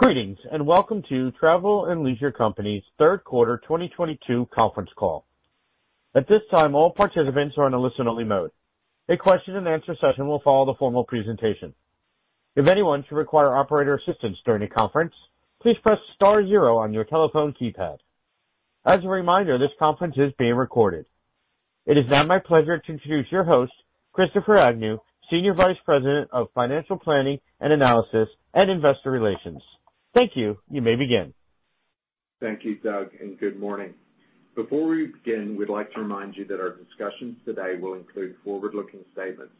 Greetings, and welcome to Travel + Leisure Co.'s third quarter 2022 conference call. At this time, all participants are in a listen only mode. A question and answer session will follow the formal presentation. If anyone should require operator assistance during the conference, please press star zero on your telephone keypad. As a reminder, this conference is being recorded. It is now my pleasure to introduce your host, Christopher Agnew, Senior Vice President of Financial Planning and Analysis and Investor Relations. Thank you. You may begin. Thank you, Doug, and good morning. Before we begin, we'd like to remind you that our discussions today will include forward-looking statements.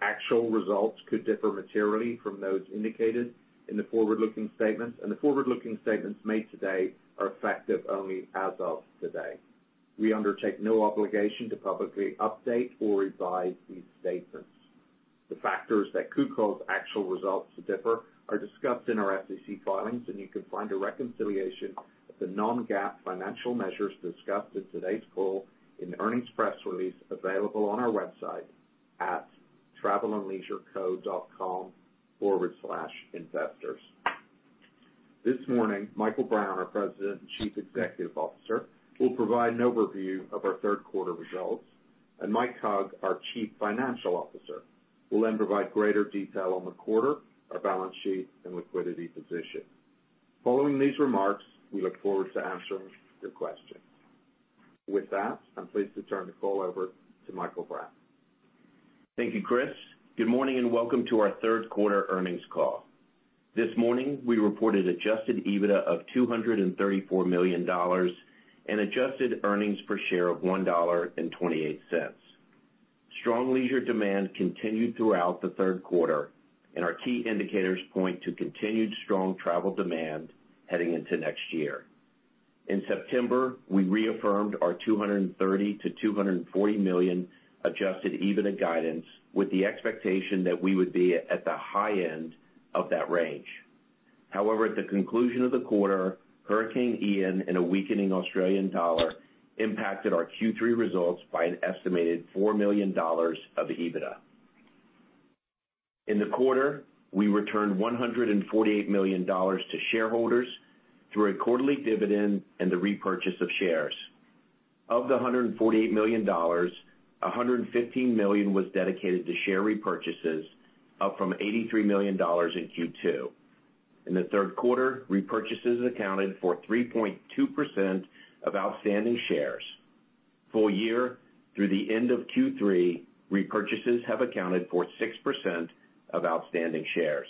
Actual results could differ materially from those indicated in the forward-looking statements, and the forward-looking statements made today are effective only as of today. We undertake no obligation to publicly update or revise these statements. The factors that could cause actual results to differ are discussed in our SEC filings, and you can find a reconciliation of the non-GAAP financial measures discussed in today's call in the earnings press release available on our website at travelandleisureco.com/investors. This morning, Michael Brown, our President and Chief Executive Officer, will provide an overview of our third quarter results, and Mike Hug, our Chief Financial Officer, will then provide greater detail on the quarter, our balance sheet, and liquidity position. Following these remarks, we look forward to answering your questions. With that, I'm pleased to turn the call over to Michael Brown. Thank you, Chris. Good morning and welcome to our third quarter earnings call. This morning, we reported adjusted EBITDA of $234 million and adjusted earnings per share of $1.28. Strong leisure demand continued throughout the third quarter, and our key indicators point to continued strong travel demand heading into next year. In September, we reaffirmed our $230-$240 million adjusted EBITDA guidance with the expectation that we would be at the high end of that range. However, at the conclusion of the quarter, Hurricane Ian and a weakening Australian dollar impacted our Q3 results by an estimated $4 million of EBITDA. In the quarter, we returned $148 million to shareholders through a quarterly dividend and the repurchase of shares. Of the $148 million, $115 million was dedicated to share repurchases, up from $83 million in Q2. In the third quarter, repurchases accounted for 3.2% of outstanding shares. Full year through the end of Q3, repurchases have accounted for 6% of outstanding shares.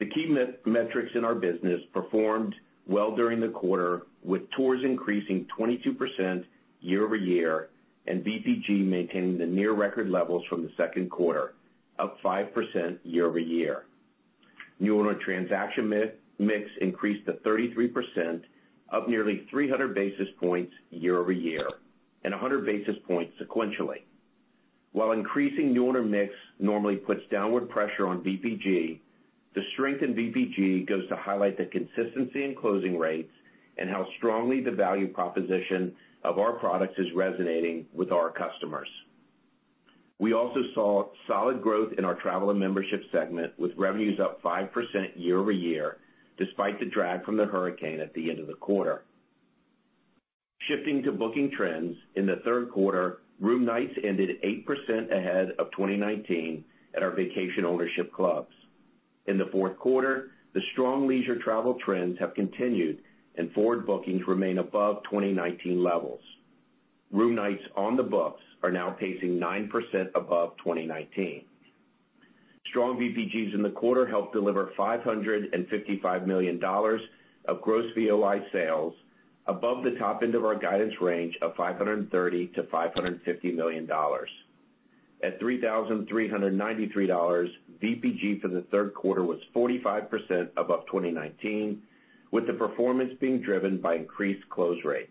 The key metrics in our business performed well during the quarter, with tours increasing 22% year-over-year, and VPG maintaining the near record levels from the second quarter, up 5% year-over-year. New owner transaction mix increased to 33%, up nearly 300 basis points year-over-year, and 100 basis points sequentially. While increasing new owner mix normally puts downward pressure on VPG, the strength in VPG goes to highlight the consistency in closing rates and how strongly the value proposition of our products is resonating with our customers. We also saw solid growth in our Travel and Membership segment, with revenues up 5% year-over-year despite the drag from the hurricane at the end of the quarter. Shifting to booking trends, in the third quarter, room nights ended 8% ahead of 2019 at our vacation ownership clubs. In the fourth quarter, the strong leisure travel trends have continued and forward bookings remain above 2019 levels. Room nights on the books are now pacing 9% above 2019. Strong VPGs in the quarter helped deliver $555 million of gross VOI sales above the top end of our guidance range of $530 million-$550 million. At $3,393, VPG for the third quarter was 45% above 2019, with the performance being driven by increased close rates.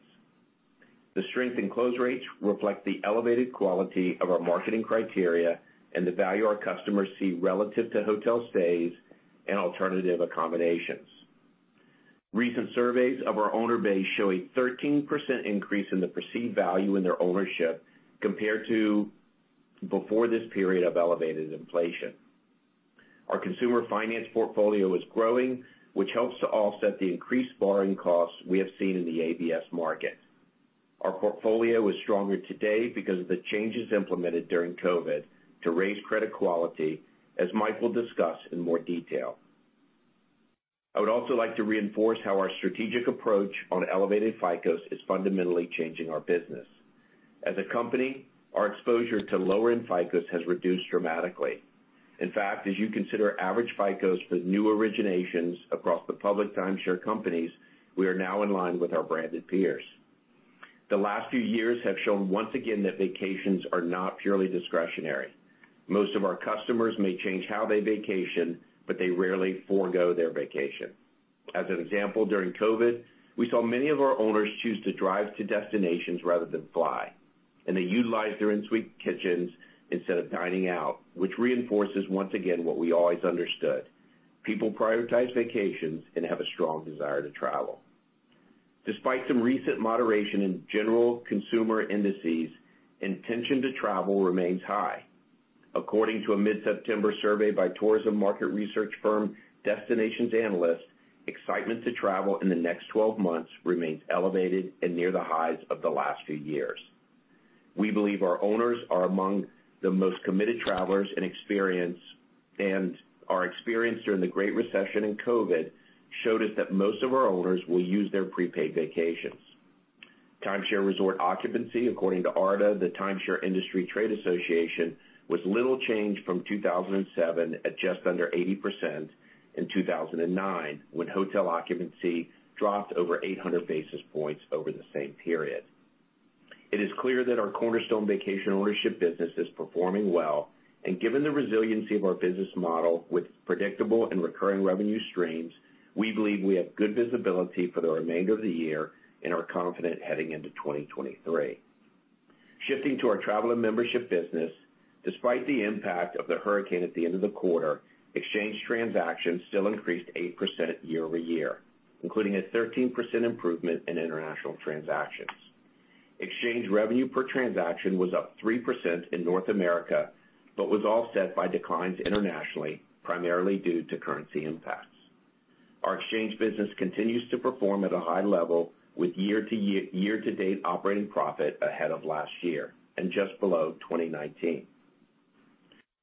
The strength in close rates reflect the elevated quality of our marketing criteria and the value our customers see relative to hotel stays and alternative accommodations. Recent surveys of our owner base show a 13% increase in the perceived value in their ownership compared to before this period of elevated inflation. Our consumer finance portfolio is growing, which helps to offset the increased borrowing costs we have seen in the ABS market. Our portfolio is stronger today because of the changes implemented during COVID to raise credit quality, as Mike will discuss in more detail. I would also like to reinforce how our strategic approach on elevated FICOs is fundamentally changing our business. As a company, our exposure to lower end FICOs has reduced dramatically. In fact, as you consider average FICOs for new originations across the public timeshare companies, we are now in line with our branded peers. The last few years have shown once again that vacations are not purely discretionary. Most of our customers may change how they vacation, but they rarely forgo their vacation. As an example, during COVID, we saw many of our owners choose to drive to destinations rather than fly, and they utilized their en suite kitchens instead of dining out, which reinforces once again what we always understood, people prioritize vacations and have a strong desire to travel. Despite some recent moderation in general consumer indices, intention to travel remains high. According to a mid-September survey by tourism market research firm Destination Analysts, excitement to travel in the next 12 months remains elevated and near the highs of the last few years. We believe our owners are among the most committed travelers. Our experience during the Great Recession and COVID showed us that most of our owners will use their prepaid vacations. Timeshare resort occupancy, according to ARDA, the American Resort Development Association, was little changed from 2007 at just under 80% in 2009, when hotel occupancy dropped over 800 basis points over the same period. It is clear that our cornerstone vacation ownership business is performing well, and given the resiliency of our business model with predictable and recurring revenue streams, we believe we have good visibility for the remainder of the year and are confident heading into 2023. Shifting to our Travel and Membership business, despite the impact of the hurricane at the end of the quarter, exchange transactions still increased 8% year-over-year, including a 13% improvement in international transactions. Exchange revenue per transaction was up 3% in North America, but was offset by declines internationally, primarily due to currency impacts. Our exchange business continues to perform at a high level with year-to-date operating profit ahead of last year and just below 2019.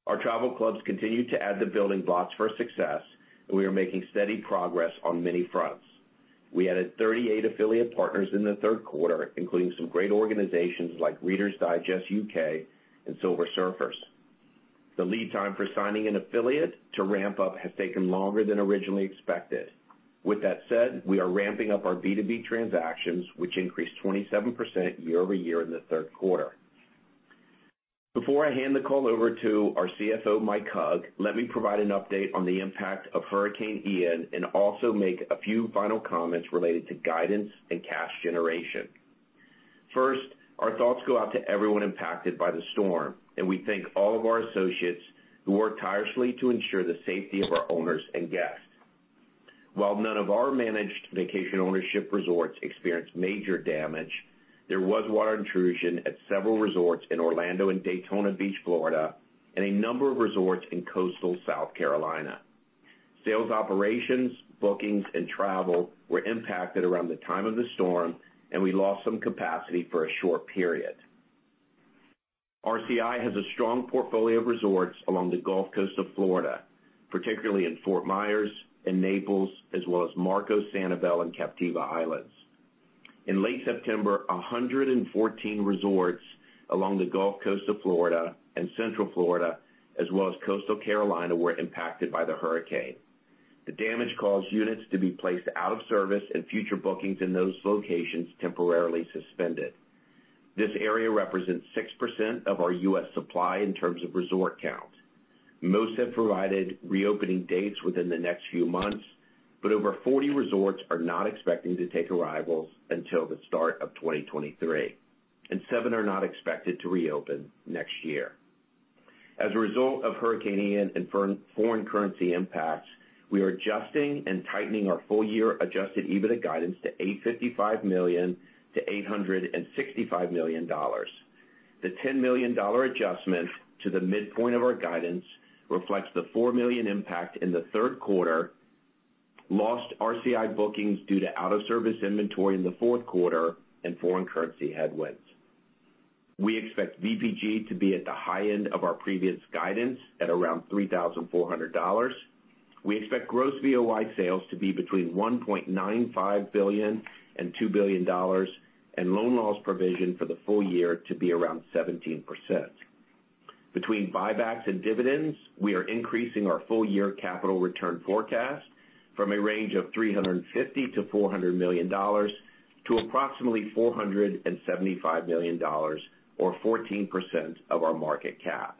Our travel clubs continue to add the building blocks for success, and we are making steady progress on many fronts. We added 38 affiliate partners in the third quarter, including some great organizations like Reader's Digest UK and Silver Surfers. The lead time for signing an affiliate to ramp up has taken longer than originally expected. With that said, we are ramping up our B2B transactions, which increased 27% year-over-year in the third quarter. Before I hand the call over to our CFO, Mike Hug, let me provide an update on the impact of Hurricane Ian and also make a few final comments related to guidance and cash generation. First, our thoughts go out to everyone impacted by the storm, and we thank all of our associates who work tirelessly to ensure the safety of our owners and guests. While none of our managed vacation ownership resorts experienced major damage, there was water intrusion at several resorts in Orlando and Daytona Beach, Florida, and a number of resorts in coastal South Carolina. Sales operations, bookings, and travel were impacted around the time of the storm, and we lost some capacity for a short period. RCI has a strong portfolio of resorts along the Gulf Coast of Florida, particularly in Fort Myers and Naples, as well as Marco, Sanibel, and Captiva Islands. In late September, 114 resorts along the Gulf Coast of Florida and Central Florida, as well as coastal Carolina, were impacted by the hurricane. The damage caused units to be placed out of service and future bookings in those locations temporarily suspended. This area represents 6% of our U.S. supply in terms of resort count. Most have provided reopening dates within the next few months, but over 40 resorts are not expecting to take arrivals until the start of 2023, and 7 are not expected to reopen next year. As a result of Hurricane Ian and foreign currency impacts, we are adjusting and tightening our full year adjusted EBITDA guidance to $855 million-$865 million. The $10 million adjustment to the midpoint of our guidance reflects the $4 million impact in the third quarter, lost RCI bookings due to out-of-service inventory in the fourth quarter and foreign currency headwinds. We expect VPG to be at the high end of our previous guidance at around $3,400. We expect gross VOI sales to be between $1.95 billion and $2 billion and loan loss provision for the full year to be around 17%. Between buybacks and dividends, we are increasing our full year capital return forecast from a range of $350 million-$400 million to approximately $475 million or 14% of our market cap.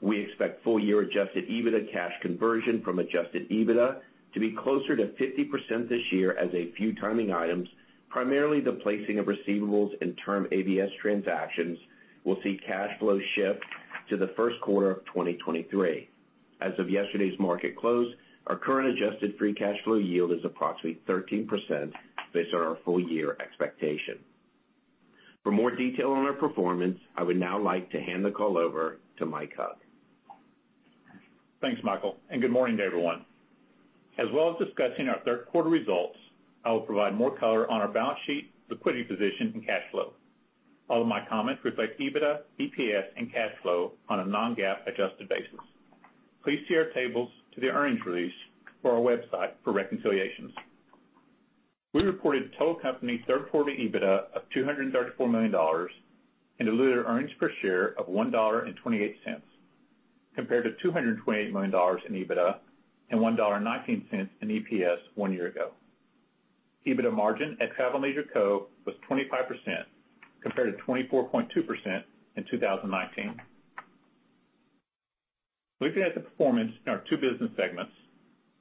We expect full year adjusted EBITDA cash conversion from adjusted EBITDA to be closer to 50% this year as a few timing items, primarily the placing of receivables in term ABS transactions will see cash flow shift to the first quarter of 2023. As of yesterday's market close, our current adjusted free cash flow yield is approximately 13% based on our full year expectation. For more detail on our performance, I would now like to hand the call over to Mike Hug. Thanks, Michael, and good morning to everyone. As well as discussing our third quarter results, I will provide more color on our balance sheet, liquidity position and cash flow. All of my comments reflect EBITDA, EPS, and cash flow on a non-GAAP adjusted basis. Please see the tables in the earnings release on our website for reconciliations. We reported total company third quarter EBITDA of $234 million and diluted earnings per share of $1.28, compared to $228 million in EBITDA and $1.19 in EPS one year ago. EBITDA margin at Travel + Leisure Co., was 25%, compared to 24.2% in 2019. Looking at the performance in our two business segments,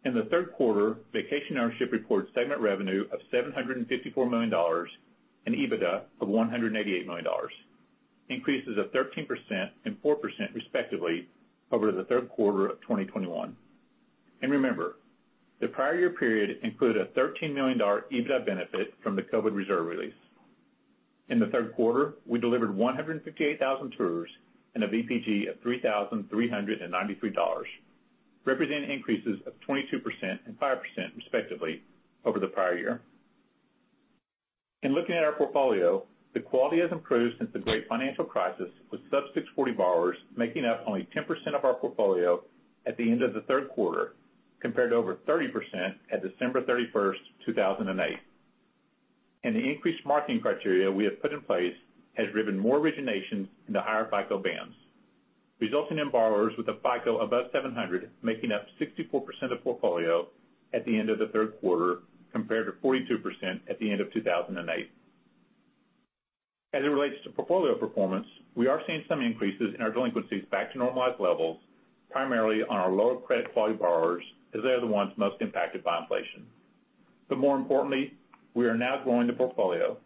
in the third quarter, Vacation Ownership reported segment revenue of $754 million and EBITDA of $188 million, increases of 13% and 4% respectively over the third quarter of 2021. Remember, the prior year period included a $13 million EBITDA benefit from the COVID reserve release. In the third quarter, we delivered 158,000 tours and a VPG of $3,393, representing increases of 22% and 5% respectively over the prior year. In looking at our portfolio, the quality has improved since the Great Financial Crisis, with sub-640 borrowers making up only 10% of our portfolio at the end of the third quarter, compared to over 30% at December 31, 2008. The increased marketing criteria we have put in place has driven more originations into higher FICO bands, resulting in borrowers with a FICO above 700, making up 64% of portfolio at the end of the third quarter, compared to 42% at the end of 2008. As it relates to portfolio performance, we are seeing some increases in our delinquencies back to normalized levels, primarily on our lower credit quality borrowers, as they are the ones most impacted by inflation. More importantly, we are now growing the portfolio.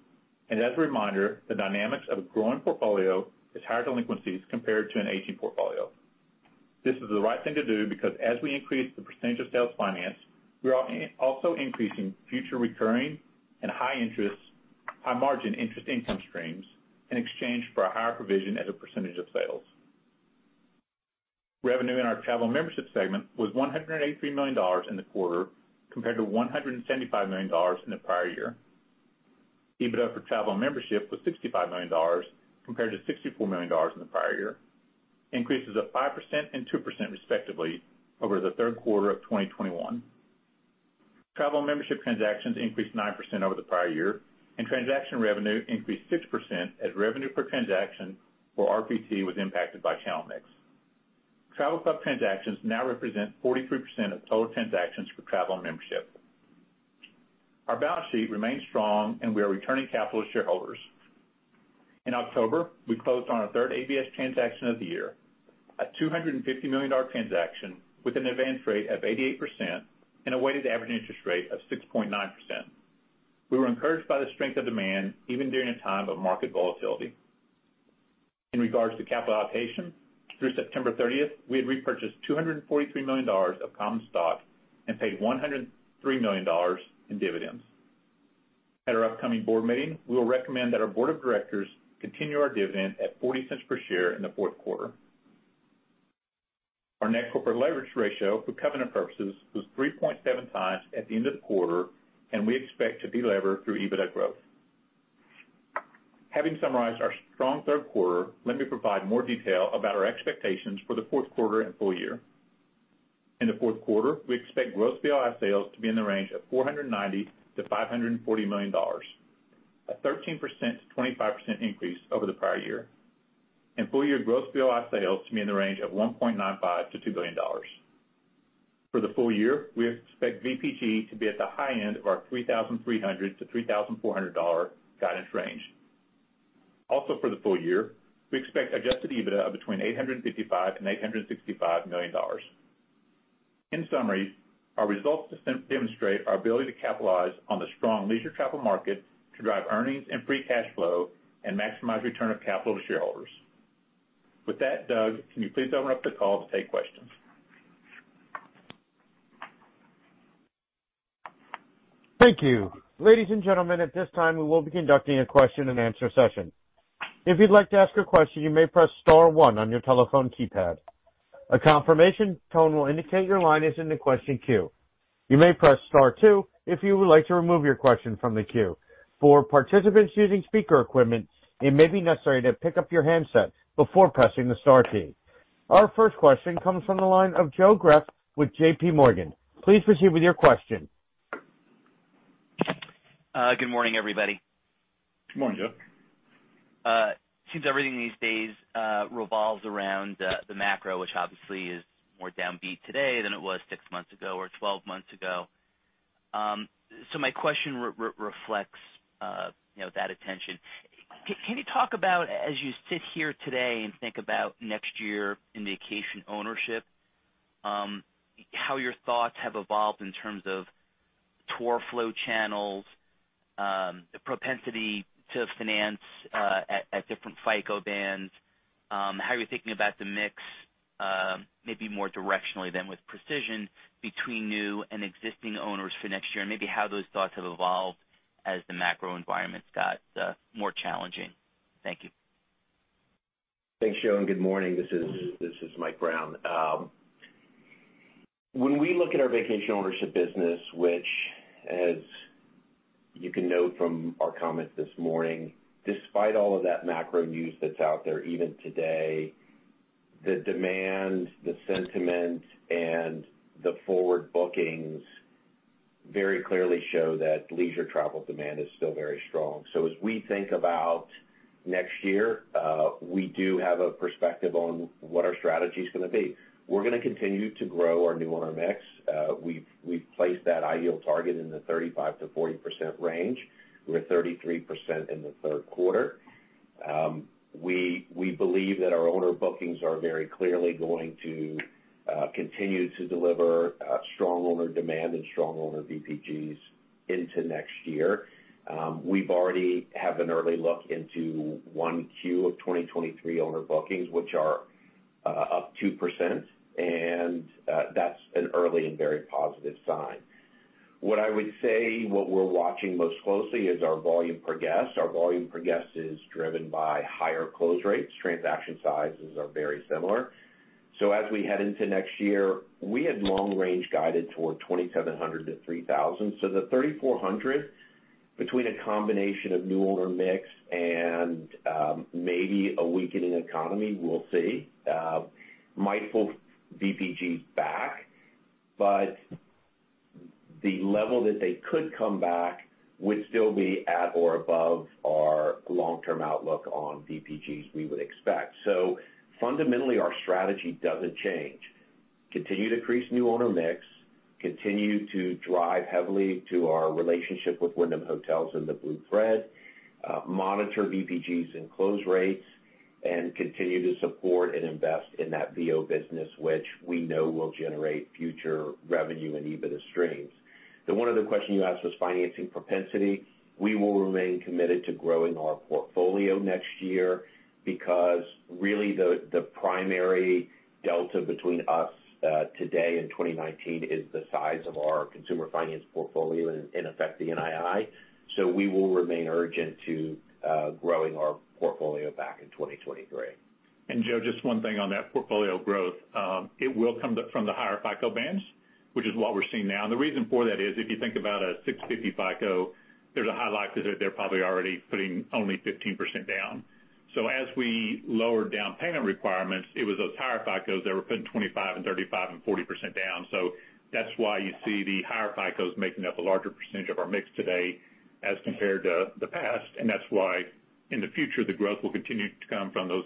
As a reminder, the dynamics of a growing portfolio is higher delinquencies compared to an aging portfolio. This is the right thing to do because as we increase the percentage of sales finance, we are also increasing future recurring and high interest, high margin interest income streams in exchange for a higher provision as a percentage of sales. Revenue in our Travel and Membership segment was $183 million in the quarter compared to $175 million in the prior year. EBITDA for Travel and Membership was $65 million compared to $64 million in the prior year, increases of 5% and 2% respectively over the third quarter of 2021. Travel and Membership transactions increased 9% over the prior year, and transaction revenue increased 6% as revenue per transaction or RPT was impacted by channel mix. Travel club transactions now represent 43% of total transactions for Travel and Membership. Our balance sheet remains strong, and we are returning capital to shareholders. In October, we closed on our third ABS transaction of the year, a $250 million transaction with an advance rate of 88% and a weighted average interest rate of 6.9%. We were encouraged by the strength of demand even during a time of market volatility. In regards to capital allocation, through September 30th, we had repurchased $243 million of common stock and paid $103 million in dividends. At our upcoming board meeting, we will recommend that our board of directors continue our dividend at $0.40 per share in the fourth quarter. Our net corporate leverage ratio for covenant purposes was 3.7x at the end of the quarter, and we expect to delever through EBITDA growth. Having summarized our strong third quarter, let me provide more detail about our expectations for the fourth quarter and full year. In the fourth quarter, we expect gross VOI sales to be in the range of $490 million-$540 million, a 13%-25% increase over the prior year. Full year gross VOI sales to be in the range of $1.95 billion-$2 billion. For the full year, we expect VPG to be at the high end of our $3,300-$3,400 guidance range. Also for the full year, we expect adjusted EBITDA of between $855 million and $865 million. In summary, our results demonstrate our ability to capitalize on the strong leisure travel market to drive earnings and free cash flow and maximize return of capital to shareholders. With that, Doug, can you please open up the call to take questions? Thank you. Ladies and gentlemen, at this time, we will be conducting a question and answer session. If you'd like to ask a question, you may press star one on your telephone keypad. A confirmation tone will indicate your line is in the question queue. You may press star two if you would like to remove your question from the queue. For participants using speaker equipment, it may be necessary to pick up your handset before pressing the star key. Our first question comes from the line of Joe Greff with J.P. Morgan. Please proceed with your question. Good morning, everybody. Good morning, Joe. It seems everything these days revolves around the macro, which obviously is more downbeat today than it was 6 months ago or 12 months ago. My question reflects, you know, that attention. Can you talk about, as you sit here today and think about next year in vacation ownership, how your thoughts have evolved in terms of tour flow channels, the propensity to finance at different FICO bands, how you're thinking about the mix, maybe more directionally than with precision between new and existing owners for next year, and maybe how those thoughts have evolved as the macro environment got more challenging? Thank you. Thanks, Joe, and good morning. This is Michael Brown. When we look at our Vacation Ownership business, which as you can note from our comments this morning, despite all of that macro news that's out there, even today, the demand, the sentiment, and the forward bookings very clearly show that leisure travel demand is still very strong. As we think about next year, we do have a perspective on what our strategy is gonna be. We're gonna continue to grow our new owner mix. We've placed that ideal target in the 35%-40% range. We're at 33% in the third quarter. We believe that our owner bookings are very clearly going to continue to deliver strong owner demand and strong owner VPGs into next year. We've already had an early look into Q1 of 2023 owner bookings, which are up 2%, and that's an early and very positive sign. What I would say, what we're watching most closely is our volume per guest. Our volume per guest is driven by higher close rates. Transaction sizes are very similar. As we head into next year, we had long range guided toward 2,700-3,000. The 3,400, between a combination of new owner mix and maybe a weakening economy, we'll see, might pull VPGs back. The level that they could come back would still be at or above our long-term outlook on VPGs, we would expect. Fundamentally, our strategy doesn't change. Continue to increase new owner mix, continue to drive heavily to our relationship with Wyndham Hotels and the Blue Thread, monitor VPGs and close rates, and continue to support and invest in that VO business which we know will generate future revenue and EBITDA streams. The one other question you asked was financing propensity. We will remain committed to growing our portfolio next year because really the primary delta between us today and 2019 is the size of our consumer finance portfolio and in effect the NII. We will remain urgent to growing our portfolio back in 2023. Joe, just one thing on that portfolio growth. It will come up from the higher FICO bands, which is what we're seeing now. The reason for that is if you think about a 650 FICO, there's a high likelihood they're probably already putting only 15% down. As we lower down payment requirements, it was those higher FICOs that were putting 25% and 35% and 40% down. That's why you see the higher FICOs making up a larger percentage of our mix today as compared to the past. That's why in the future the growth will continue to come from those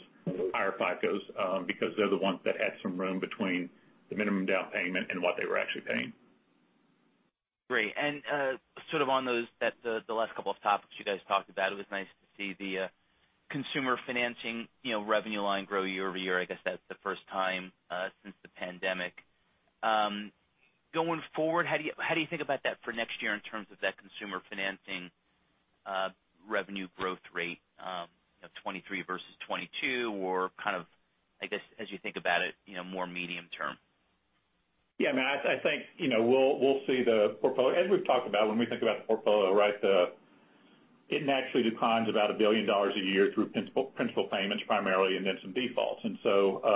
higher FICOs, because they're the ones that had some room between the minimum down payment and what they were actually paying. Great. On those last couple of topics you guys talked about, it was nice to see the consumer financing, you know, revenue line grow year over year. I guess that's the first time since the pandemic. Going forward, how do you think about that for next year in terms of that consumer financing revenue growth rate of 2023 versus 2022, or kind of, I guess, as you think about it, you know, more medium term? Yeah, I mean, I think, you know, we'll see the portfolio. As we've talked about when we think about the portfolio, right, it naturally declines about $1 billion a year through principal payments primarily and then some defaults.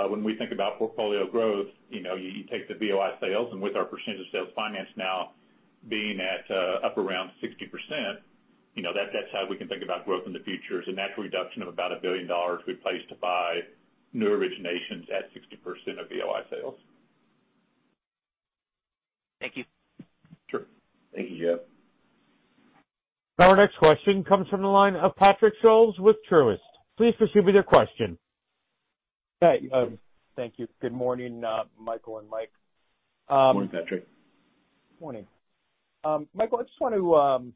When we think about portfolio growth, you know, you take the VOI sales and with our percentage of sales finance now being at up around 60%, you know, that's how we can think about growth in the future is a natural reduction of about $1 billion we place to buy new originations at 60% of VOI sales. Thank you. Sure. Thank you, Joe. Our next question comes from the line of Patrick Scholes with Truist. Please proceed with your question. Hey, thank you. Good morning, Michael and Mike. Morning, Patrick. Morning. Michael, I just want to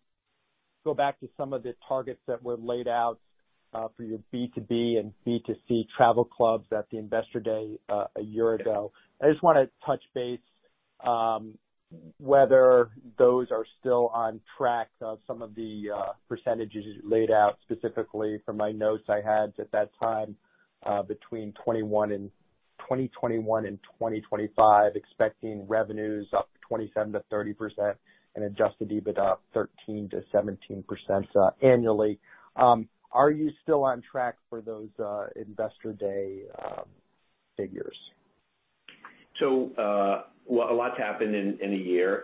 go back to some of the targets that were laid out for your B2B and B2C travel clubs at the Investor Day a year ago. I just wanna touch base whether those are still on track for some of the percentages you laid out specifically from my notes I had at that time between 2021 and 2025, expecting revenues up 27%-30% and adjusted EBITDA up 13%-17% annually. Are you still on track for those Investor Day figures? Well, a lot's happened in a year.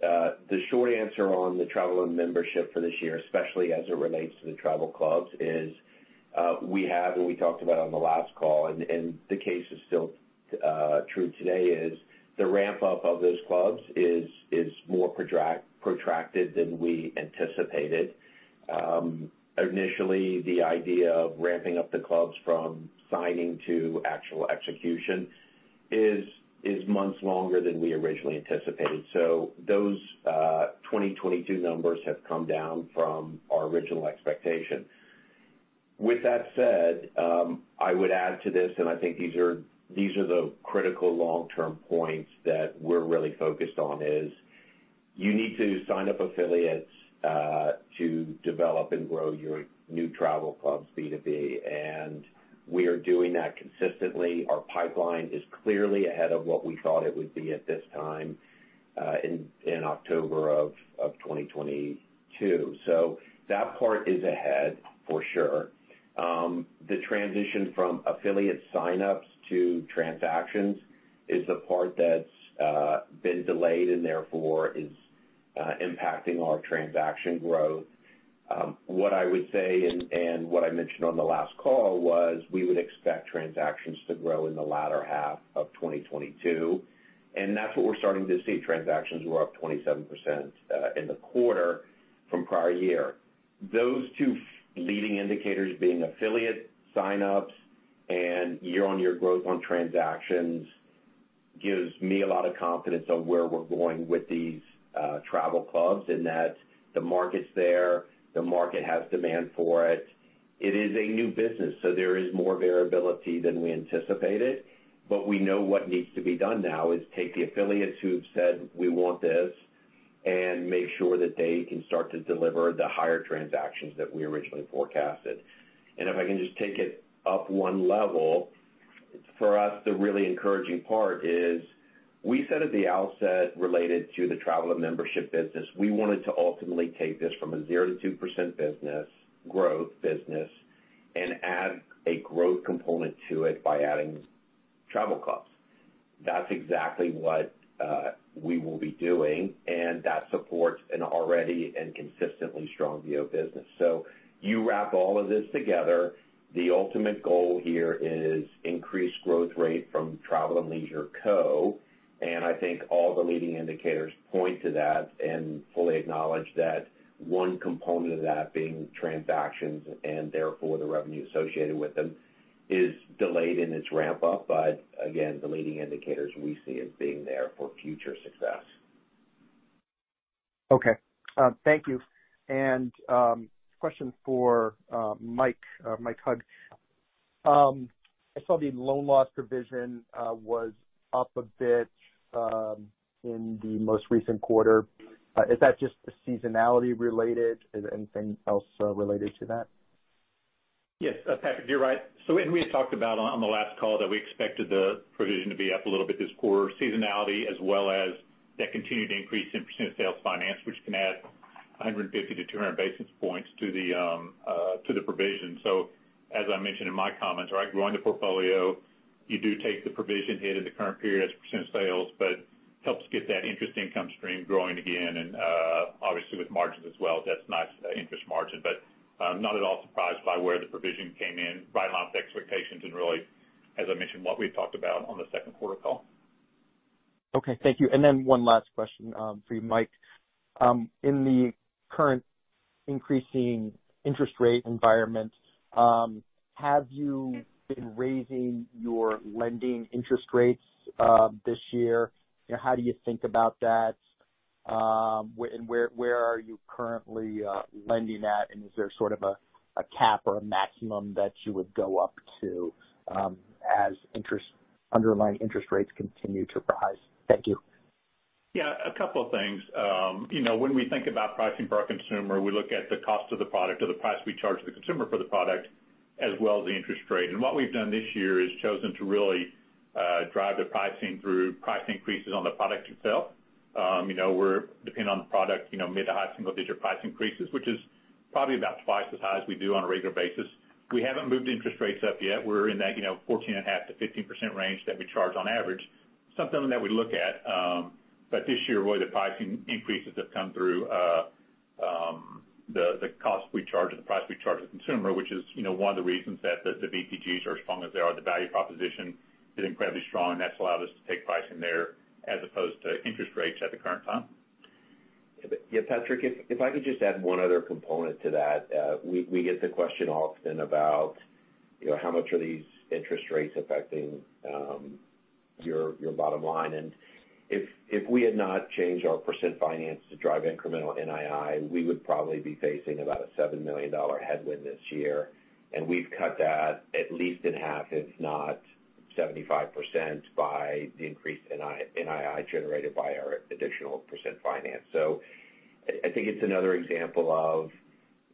The short answer on the Travel and Membership for this year, especially as it relates to the travel clubs, is we have, and we talked about on the last call and the case is still true today, is the ramp-up of those clubs is more protracted than we anticipated. Initially the idea of ramping up the clubs from signing to actual execution is months longer than we originally anticipated. Those 2022 numbers have come down from our original expectation. With that said, I would add to this, and I think these are the critical long-term points that we're really focused on is you need to sign up affiliates to develop and grow your new travel clubs B2B, and we are doing that consistently. Our pipeline is clearly ahead of what we thought it would be at this time in October of 2022. That part is ahead for sure. The transition from affiliate signups to transactions is the part that's been delayed and therefore is impacting our transaction growth. What I would say and what I mentioned on the last call was we would expect transactions to grow in the latter half of 2022, and that's what we're starting to see. Transactions were up 27% in the quarter from prior year. Those two leading indicators being affiliate signups and year-on-year growth on transactions gives me a lot of confidence on where we're going with these travel clubs and that the market's there, the market has demand for it. It is a new business, so there is more variability than we anticipated, but we know what needs to be done now is take the affiliates who've said, "We want this," and make sure that they can start to deliver the higher transactions that we originally forecasted. If I can just take it up one level. For us, the really encouraging part is we said at the outset related to the Travel and Membership business, we wanted to ultimately take this from a 0%-2% business, growth business, and add a growth component to it by adding travel clubs. That's exactly what we will be doing, and that supports an already and consistently strong VO business. You wrap all of this together, the ultimate goal here is increased growth rate from Travel + Leisure Co. I think all the leading indicators point to that and fully acknowledge that one component of that being transactions, and therefore, the revenue associated with them is delayed in its ramp up. Again, the leading indicators we see as being there for future success. Thank you. Question for Mike Hug. I saw the loan loss provision was up a bit in the most recent quarter. Is that just seasonality related? Is anything else related to that? Yes, Patrick, you're right. When we had talked about on the last call that we expected the provision to be up a little bit this quarter, seasonality as well as that continued increase in percent of sales finance, which can add 150-200 basis points to the provision. As I mentioned in my comments, right, growing the portfolio, you do take the provision hit in the current period as a percent of sales, but helps get that interest income stream growing again. Obviously with margins as well, that's nice, interest margin. I'm not at all surprised by where the provision came in. Right on expectations and really, as I mentioned, what we talked about on the second quarter call. Okay. Thank you. One last question for you, Mike. In the current increasing interest rate environment, have you been raising your lending interest rates this year? You know, how do you think about that? Where are you currently lending at, and is there sort of a cap or a maximum that you would go up to, as underlying interest rates continue to rise? Thank you. Yeah, a couple of things. You know, when we think about pricing for our consumer, we look at the cost of the product or the price we charge the consumer for the product, as well as the interest rate. What we've done this year is chosen to really drive the pricing through price increases on the product itself. You know, we're depending on the product, you know, mid- to high-single-digit price increases, which is probably about twice as high as we do on a regular basis. We haven't moved interest rates up yet. We're in that, you know, 14.5%-15% range that we charge on average. Something that we look at, but this year, really the pricing increases have come through, the cost we charge or the price we charge the consumer, which is, you know, one of the reasons that the VPGs are as strong as they are. The value proposition is incredibly strong, and that's allowed us to take pricing there as opposed to interest rates at the current time. Yeah, Patrick, if I could just add one other component to that. We get the question often about, you know, how much are these interest rates affecting your bottom line. If we had not changed our percent financed to drive incremental NII, we would probably be facing about a $7 million headwind this year. We've cut that at least in half, if not 75% by the increase in NII generated by our additional percent financed. I think it's another example of,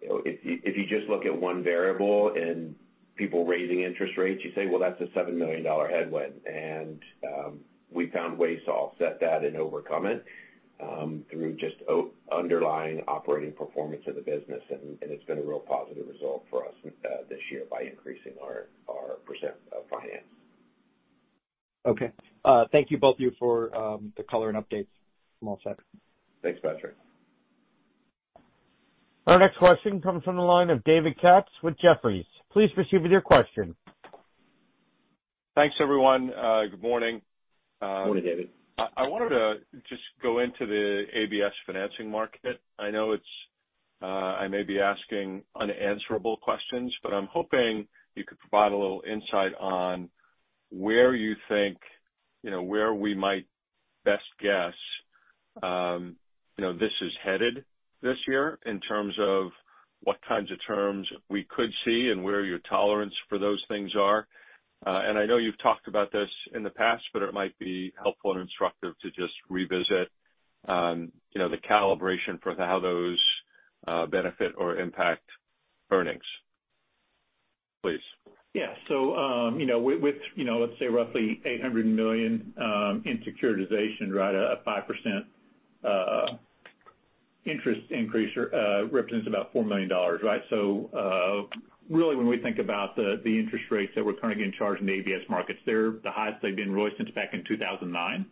you know, if you just look at one variable and people raising interest rates, you say, well, that's a $7 million headwind. We found ways to offset that and overcome it through just underlying operating performance of the business. It's been a real positive result for us this year by increasing our percent of finance. Okay. Thank you both of you for the color and updates from all sides. Thanks, Patrick. Our next question comes from the line of David Katz with Jefferies. Please proceed with your question. Thanks, everyone. Good morning. Good morning, David. I wanted to just go into the ABS financing market. I know it's I may be asking unanswerable questions, but I'm hoping you could provide a little insight on where you think, you know, where we might best guess, you know, this is headed this year in terms of what kinds of terms we could see and where your tolerance for those things are. I know you've talked about this in the past, but it might be helpful and instructive to just revisit, you know, the calibration for how those benefit or impact earnings, please. Yeah. You know, with you know, let's say roughly $800 million in securitization, right, a 5% interest increase represents about $4 million, right? Really when we think about the interest rates that we're currently getting charged in the ABS markets, they're the highest they've been really since back in 2009.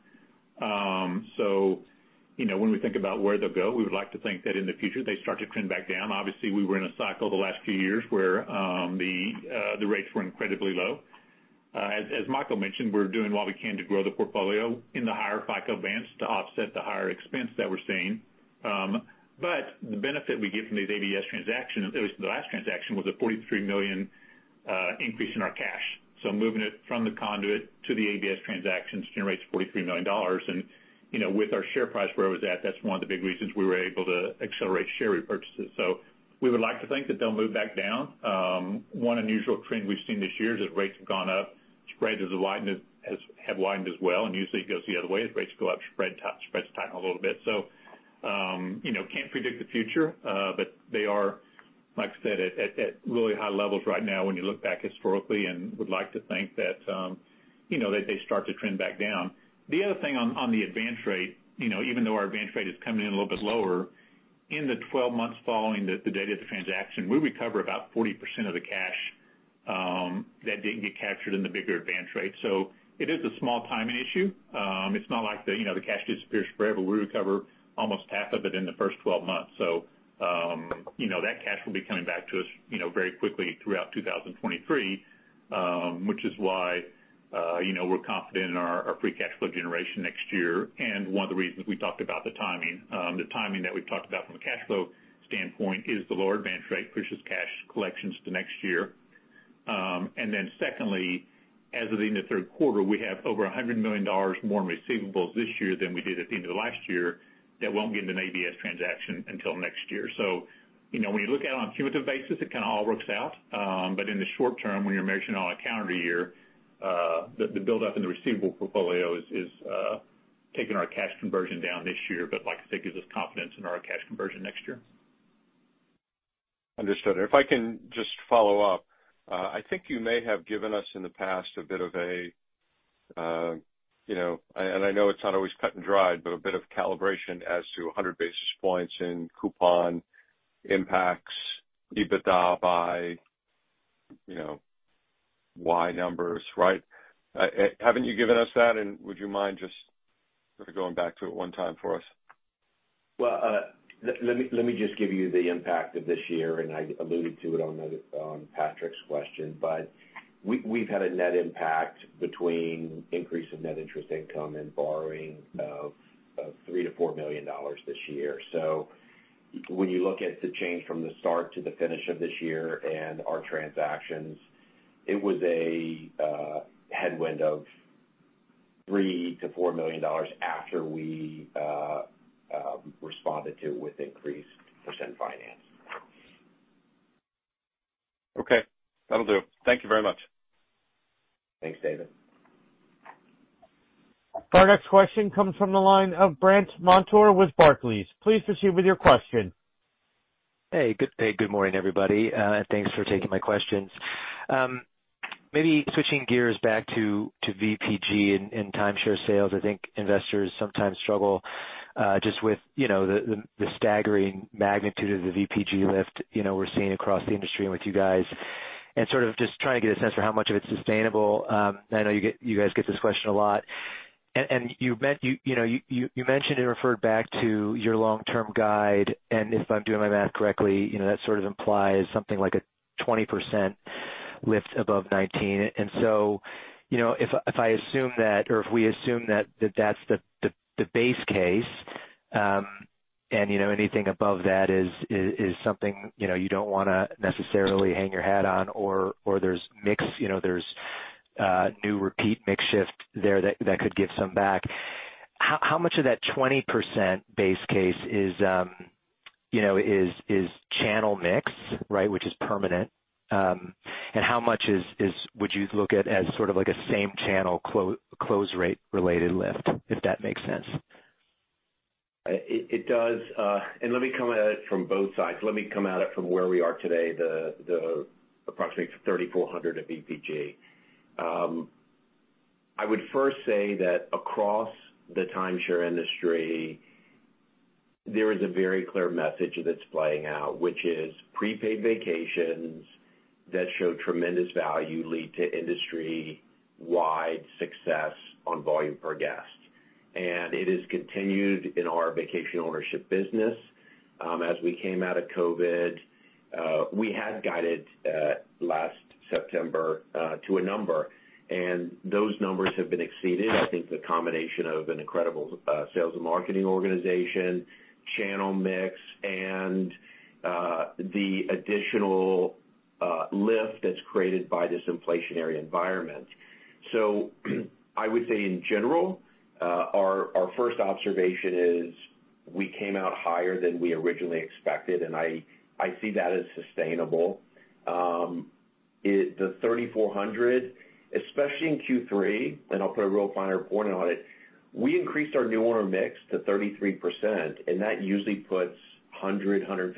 You know, when we think about where they'll go, we would like to think that in the future, they start to trend back down. Obviously, we were in a cycle the last few years where the rates were incredibly low. As Michael mentioned, we're doing what we can to grow the portfolio in the higher FICO bands to offset the higher expense that we're seeing. The benefit we get from these ABS transactions, at least the last transaction, was a $43 million increase in our cash. Moving it from the conduit to the ABS transactions generates $43 million. You know, with our share price where it was at, that's one of the big reasons we were able to accelerate share repurchases. We would like to think that they'll move back down. One unusual trend we've seen this year is that rates have gone up. Spreads have widened as well, and usually it goes the other way. As rates go up, spreads tighten a little bit. You know, can't predict the future, but they are Like I said, at really high levels right now when you look back historically and would like to think that, you know, they start to trend back down. The other thing on the advance rate, you know, even though our advance rate is coming in a little bit lower, in the 12 months following the date of the transaction, we recover about 40% of the cash that didn't get captured in the bigger advance rate. It is a small timing issue. It's not like the, you know, the cash disappears forever. We recover almost half of it in the first 12 months. that cash will be coming back to us, you know, very quickly throughout 2023, which is why, you know, we're confident in our free cash flow generation next year. One of the reasons we talked about the timing. The timing that we've talked about from a cash flow standpoint is the lower advance rate pushes cash collections to next year. Secondly, as of the end of the third quarter, we have over $100 million more in receivables this year than we did at the end of last year that won't be in an ABS transaction until next year. you know, when you look at it on a cumulative basis, it kind of all works out. In the short term, when you're measuring on a calendar year, the buildup in the receivable portfolio is taking our cash conversion down this year, but like I said, gives us confidence in our cash conversion next year. Understood. If I can just follow up. I think you may have given us in the past a bit of a, you know, and I know it's not always cut and dried, but a bit of calibration as to 100 basis points in coupon impacts EBITDA by, you know, Y numbers, right? Haven't you given us that? Would you mind just sort of going back to it one time for us? Well, let me just give you the impact of this year, and I alluded to it on Patrick's question. We've had a net impact between increase of net interest income and borrowing of $3-$4 million this year. When you look at the change from the start to the finish of this year and our transactions, it was a headwind of $3-$4 million after we responded to it with increased percent finance. Okay. That'll do. Thank you very much. Thanks, David. Our next question comes from the line of Brandt Montour with Barclays. Please proceed with your question. Hey. Good day. Good morning, everybody, and thanks for taking my questions. Maybe switching gears back to VPG and timeshare sales. I think investors sometimes struggle just with, you know, the staggering magnitude of the VPG lift, you know, we're seeing across the industry and with you guys, and sort of just trying to get a sense for how much of it's sustainable. I know you guys get this question a lot. You mentioned and referred back to your long-term guide, and if I'm doing my math correctly, you know, that sort of implies something like a 20% lift above 19. You know, if I assume that or if we assume that that's the base case, and you know, anything above that is something you know, you don't wanna necessarily hang your hat on or there's mix, you know, there's new repeat mix shift there that could give some back. How much of that 20% base case is channel mix, right, which is permanent? And how much would you look at as sort of like a same channel close rate related lift, if that makes sense? It does. Let me come at it from both sides. Let me come at it from where we are today, the approximately 3,400 of VPG. I would first say that across the timeshare industry, there is a very clear message that's playing out, which is prepaid vacations that show tremendous value lead to industry-wide success on volume per guest. It is continued in our vacation ownership business. As we came out of COVID, we had guided last September to a number, and those numbers have been exceeded. I think the combination of an incredible sales and marketing organization, channel mix, and the additional lift that's created by this inflationary environment. I would say in general, our first observation is we came out higher than we originally expected, and I see that as sustainable. The $3,400, especially in Q3, and I'll put a real finer point on it, we increased our new owner mix to 33%, and that usually puts $150 of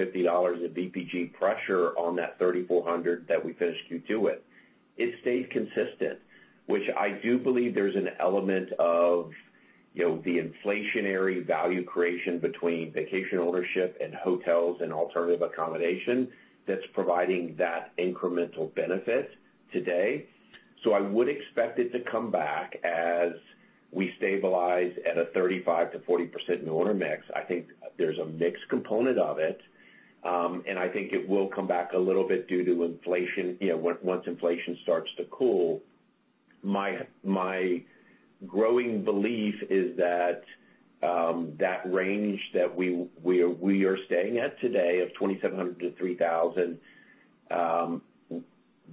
VPG pressure on that $3,400 that we finished Q2 with. It stayed consistent, which I do believe there's an element of, you know, the inflationary value creation between vacation ownership and hotels and alternative accommodation that's providing that incremental benefit today. I would expect it to come back as we stabilize at a 35%-40% new owner mix. I think there's a mix component of it, and I think it will come back a little bit due to inflation, you know, once inflation starts to cool. My growing belief is that that range that we are staying at today of 2,700-3,000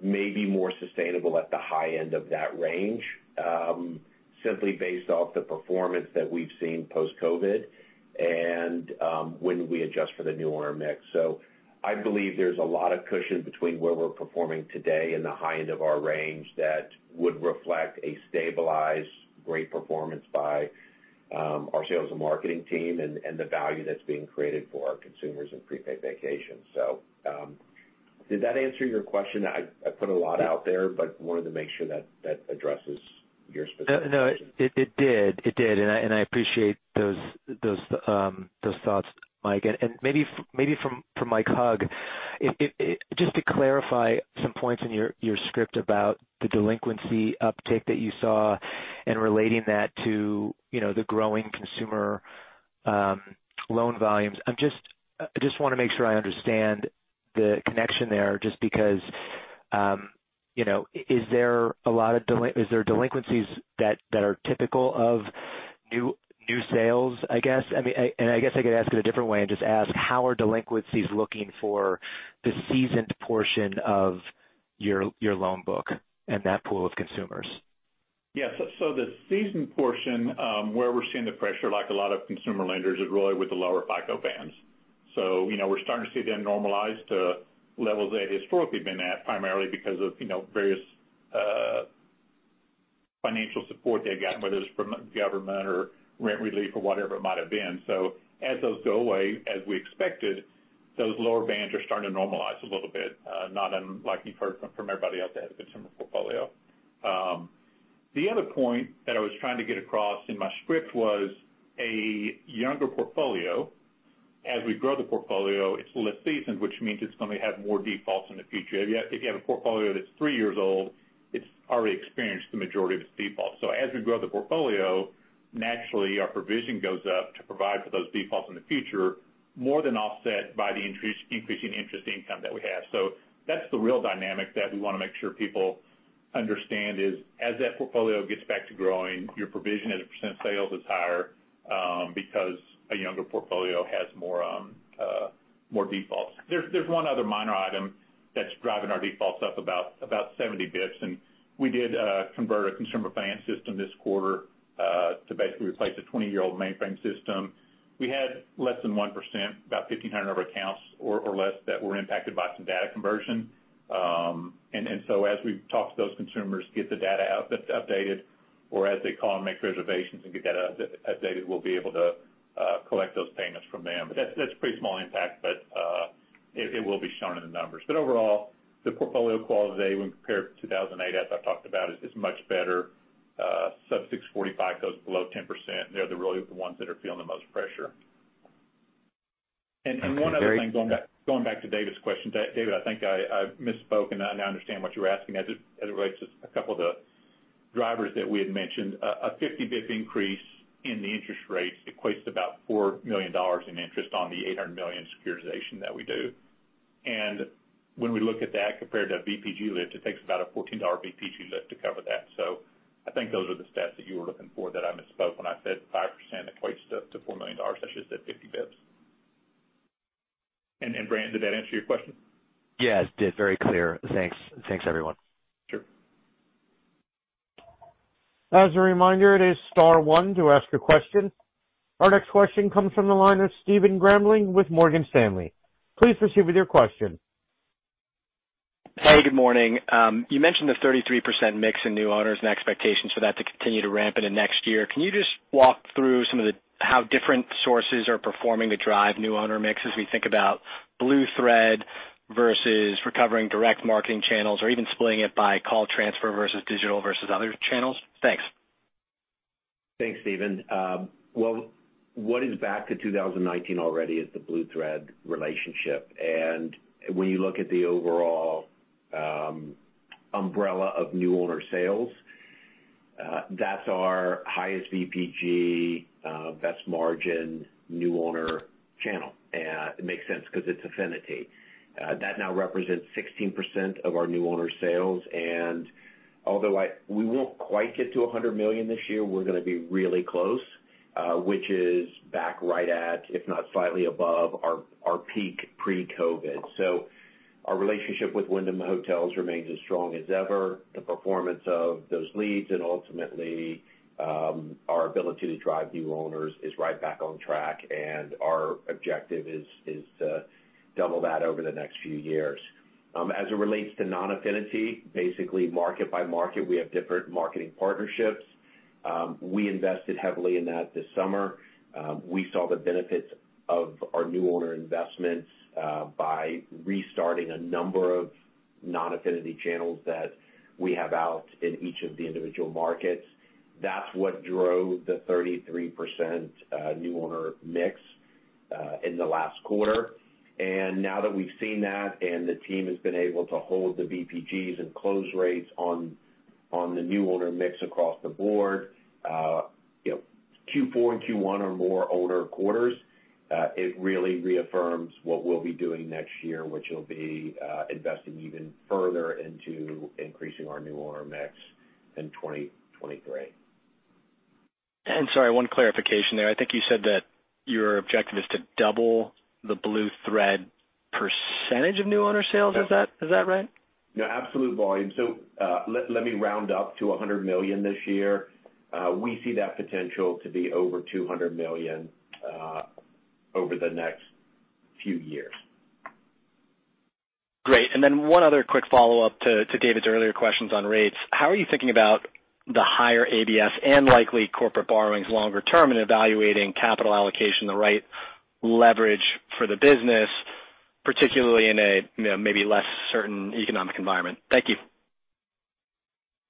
may be more sustainable at the high end of that range, simply based off the performance that we've seen post-COVID and when we adjust for the new owner mix. I believe there's a lot of cushion between where we're performing today in the high end of our range that would reflect a stabilized great performance by our sales and marketing team and the value that's being created for our consumers in prepaid vacations. Did that answer your question? I put a lot out there, but wanted to make sure that addresses your specific question. No, it did. I appreciate those thoughts, Mike. Maybe from Mike Hug. Just to clarify some points in your script about the delinquency uptick that you saw and relating that to, you know, the growing consumer loan volumes. I just wanna make sure I understand the connection there, just because, you know, is there a lot of delinquencies that are typical of new sales, I guess? I mean, and I guess I could ask it a different way and just ask, how are delinquencies looking for the seasoned portion of your loan book and that pool of consumers? Yes. The seasoned portion, where we're seeing the pressure, like a lot of consumer lenders, is really with the lower FICO bands. You know, we're starting to see them normalize to levels they historically been at, primarily because of, you know, various financial support they've gotten, whether it's from the government or rent relief or whatever it might have been. As those go away, as we expected, those lower bands are starting to normalize a little bit, not unlike you've heard from everybody else that has a consumer portfolio. The other point that I was trying to get across in my script was a younger portfolio. As we grow the portfolio, it's less seasoned, which means it's gonna have more defaults in the future. If you have a portfolio that's three years old, it's already experienced the majority of its defaults. As we grow the portfolio, naturally our provision goes up to provide for those defaults in the future more than offset by the increasing interest income that we have. That's the real dynamic that we wanna make sure people understand is as that portfolio gets back to growing, your provision as a percent of sales is higher, because a younger portfolio has more defaults. There's one other minor item that's driving our defaults up about 70 basis points, and we did convert a consumer finance system this quarter to basically replace a 20-year-old mainframe system. We had less than 1%, about 1,500 of our accounts or less, that were impacted by some data conversion. As we talk to those consumers, get the data out, that's updated, or as they call and make reservations and get data updated, we'll be able to collect those payments from them. That's pretty small impact, but it will be shown in the numbers. Overall, the portfolio quality when compared to 2008, as I've talked about, is much better. Sub-645 goes below 10%. They're really the ones that are feeling the most pressure. Thank you, Gary. One other thing, going back to David's question. David, I think I misspoke, and I now understand what you were asking as it relates to a couple of the drivers that we had mentioned. A 50 basis point increase in the interest rates equates to about $4 million in interest on the $800 million securitization that we do. When we look at that compared to a VPG lift, it takes about a $14 VPG lift to cover that. I think those are the stats that you were looking for that I misspoke when I said 5% equates to $4 million. I should've said 50 basis points. Brian, did that answer your question? Yes, it did. Very clear. Thanks. Thanks, everyone. Sure. As a reminder, it is star one to ask a question. Our next question comes from the line of Stephen Grambling with Morgan Stanley. Please proceed with your question. Hi, good morning. You mentioned the 33% mix in new owners and expectations for that to continue to ramp into next year. Can you just walk through some of how different sources are performing to drive new owner mix as we think about Blue Thread versus recovering direct marketing channels or even splitting it by call transfer versus digital versus other channels? Thanks. Thanks, Stephen. What is back to 2019 already is the Blue Thread relationship. When you look at the overall umbrella of new owner sales, that's our highest VPG, best margin new owner channel. It makes sense 'cause it's affinity. That now represents 16% of our new owner sales. Although we won't quite get to $100 million this year, we're gonna be really close, which is back right at, if not slightly above, our peak pre-COVID. Our relationship with Wyndham Hotels remains as strong as ever. The performance of those leads and ultimately, our ability to drive new owners is right back on track, and our objective is to double that over the next few years. As it relates to non-affinity, basically market by market, we have different marketing partnerships. We invested heavily in that this summer. We saw the benefits of our new owner investments by restarting a number of non-affinity channels that we have out in each of the individual markets. That's what drove the 33% new owner mix in the last quarter. Now that we've seen that and the team has been able to hold the VPGs and close rates on the new owner mix across the board, you know, Q4 and Q1 are more owner quarters. It really reaffirms what we'll be doing next year, which will be investing even further into increasing our new owner mix in 2023. Sorry, one clarification there. I think you said that your objective is to double the Blue Thread percentage of new owner sales. Is that right? No, absolute volume. Let me round up to $100 million this year. We see that potential to be over $200 million over the next few years. One other quick follow-up to David's earlier questions on rates. How are you thinking about the higher ABS and likely corporate borrowings longer term in evaluating capital allocation, the right leverage for the business, particularly in a, you know, maybe less certain economic environment? Thank you.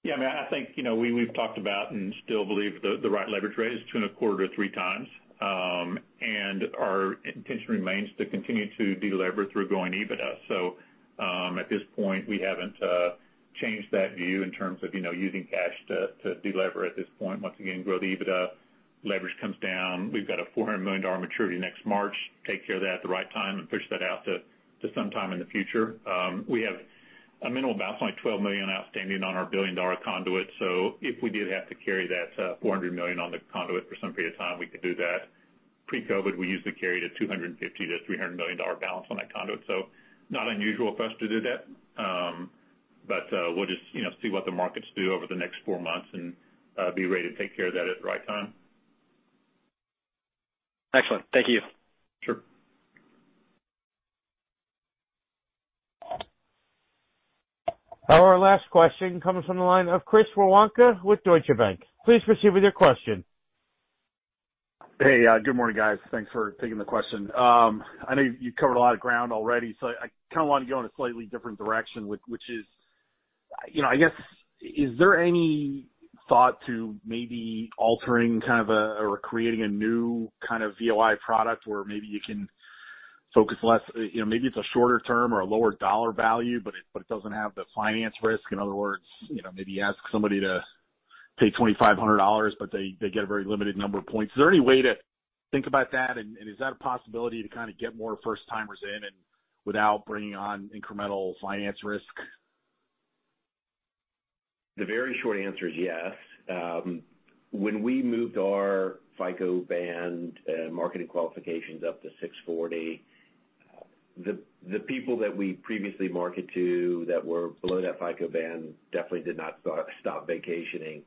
Yeah, I mean, I think, you know, we've talked about and still believe the right leverage rate is 2.25-3 times. Our intention remains to continue to delever through growing EBITDA. At this point, we haven't changed that view in terms of, you know, using cash to delever at this point. Once again, grow the EBITDA, leverage comes down. We've got a $400 million maturity next March, take care of that at the right time and push that out to sometime in the future. We have a minimal balance, like $12 million outstanding on our $1 billion-dollar conduit. If we did have to carry that $400 million on the conduit for some period of time, we could do that. Pre-COVID, we usually carried a $250 million-$300 million balance on that conduit, so not unusual for us to do that. We'll just, you know, see what the markets do over the next four months and be ready to take care of that at the right time. Excellent. Thank you. Sure. Our last question comes from the line of Chris Woronka with Deutsche Bank. Please proceed with your question. Hey, good morning, guys. Thanks for taking the question. I know you've covered a lot of ground already, so I kind of want to go in a slightly different direction, which is, you know, I guess, is there any thought to maybe altering or creating a new kind of VOI product where maybe you can focus less. You know, maybe it's a shorter term or a lower dollar value, but it doesn't have the finance risk. In other words, you know, maybe ask somebody to pay $2,500, but they get a very limited number of points. Is there any way to think about that? Is that a possibility to kind of get more first-timers in and without bringing on incremental finance risk? The very short answer is yes. When we moved our FICO band marketing qualifications up to 640, the people that we previously market to that were below that FICO band definitely did not stop vacationing.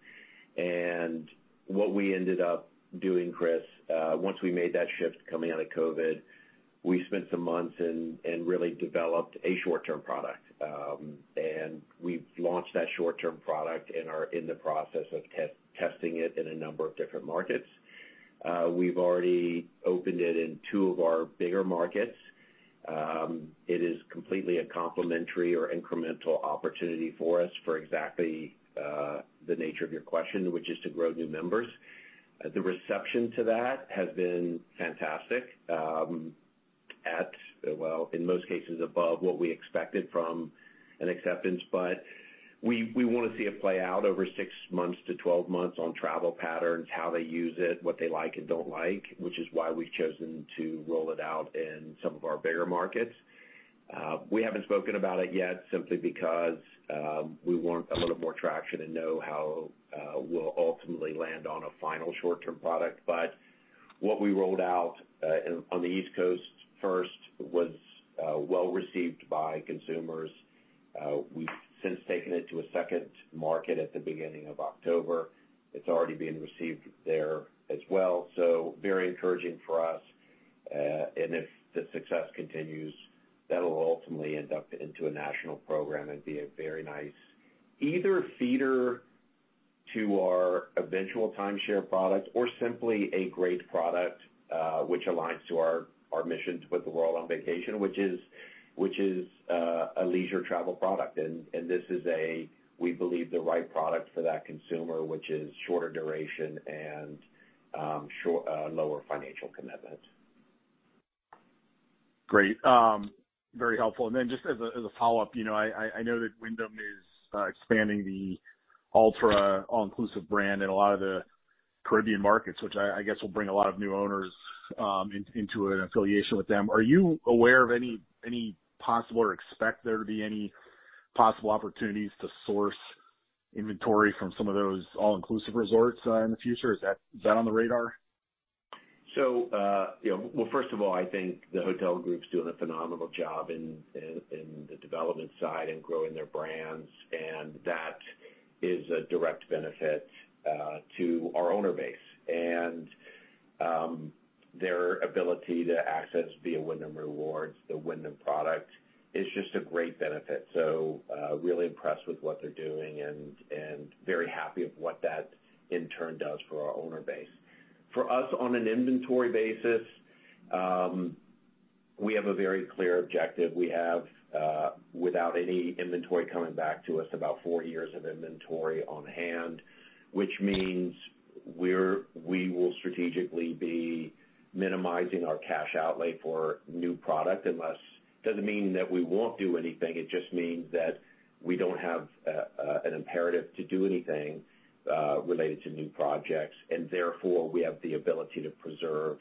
What we ended up doing, Chris, once we made that shift coming out of COVID, we spent some months and really developed a short-term product. We've launched that short-term product and are in the process of testing it in a number of different markets. We've already opened it in two of our bigger markets. It is completely a complementary or incremental opportunity for us for exactly the nature of your question, which is to grow new members. The reception to that has been fantastic, well, in most cases above what we expected from an acceptance, but we wanna see it play out over 6 months to 12 months on travel patterns, how they use it, what they like and don't like, which is why we've chosen to roll it out in some of our bigger markets. We haven't spoken about it yet simply because we want a little more traction and know how we'll ultimately land on a final short-term product. What we rolled out in on the East Coast first was well received by consumers. We've since taken it to a second market at the beginning of October. It's already been received there as well, so very encouraging for us. If the success continues, that'll ultimately end up into a national program and be a very nice either feeder to our eventual timeshare product or simply a great product, which aligns to our missions with the world on vacation, which is a leisure travel product. This is a, we believe, the right product for that consumer, which is shorter duration and lower financial commitment. Great. Very helpful. As a follow-up, you know, I know that Wyndham is expanding the Alltra all-inclusive brand in a lot of the Caribbean markets, which I guess will bring a lot of new owners into an affiliation with them. Are you aware of any possible or expect there to be any possible opportunities to source inventory from some of those all-inclusive resorts in the future? Is that on the radar? First of all, I think the hotel group's doing a phenomenal job in the development side and growing their brands, and that is a direct benefit to our owner base. Their ability to access via Wyndham Rewards, the Wyndham product, is just a great benefit. Really impressed with what they're doing and very happy about what that in turn does for our owner base. For us on an inventory basis, we have a very clear objective. We have without any inventory coming back to us about four years of inventory on hand, which means we will strategically be minimizing our cash outlay for new product unless. Doesn't mean that we won't do anything, it just means that we don't have an imperative to do anything related to new projects, and therefore we have the ability to preserve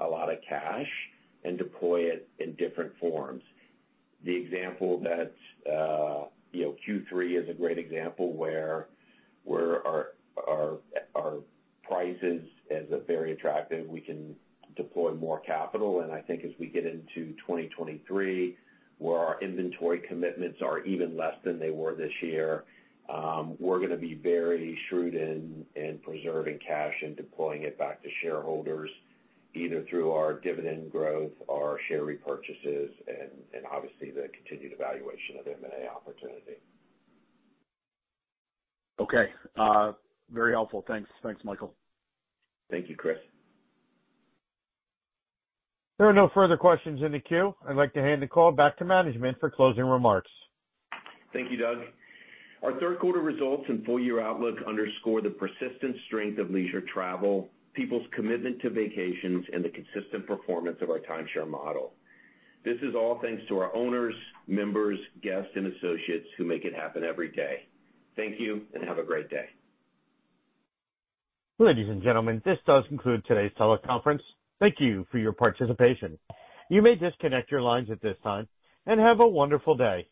a lot of cash and deploy it in different forms. The example that you know, Q3 is a great example where our prices are very attractive, we can deploy more capital, and I think as we get into 2023, where our inventory commitments are even less than they were this year, we're gonna be very shrewd in preserving cash and deploying it back to shareholders, either through our dividend growth or share repurchases and obviously the continued evaluation of M&A opportunity. Okay. Very helpful. Thanks. Thanks, Michael. Thank you, Chris. There are no further questions in the queue. I'd like to hand the call back to management for closing remarks. Thank you, Doug. Our third quarter results and full year outlook underscore the persistent strength of leisure travel, people's commitment to vacations, and the consistent performance of our timeshare model. This is all thanks to our owners, members, guests, and associates who make it happen every day. Thank you, and have a great day. Ladies and gentlemen, this does conclude today's teleconference. Thank you for your participation. You may disconnect your lines at this time, and have a wonderful day.